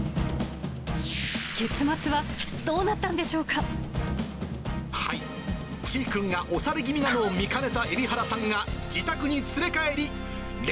結末はどうなったんでしょうはい、ちぃくんが押され気味なのを見かねた海老原さんが自宅に連れ帰り、こんにちは。